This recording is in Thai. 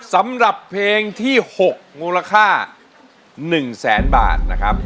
สำหรับเพลงที่๖มูลค่า๑แสนบาทนะครับ